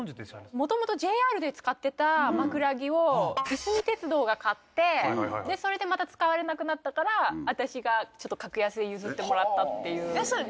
もともとＪＲで使ってた枕木をいすみ鉄道が買ってでそれでまた使われなくなったから私がちょっと格安で譲ってもらったっていう。